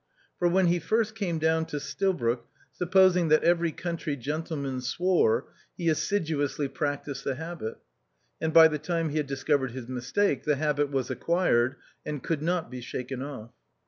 For when lie first came down to Stilbroke, supposing that every country gentleman swore, he assiduously practised the habit ; and by the time he had discovered his mistake, the habit was acquired, and could not be shaken off.